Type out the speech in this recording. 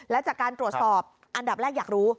และจากการตรวจสอบอันดับแรกอยากรู้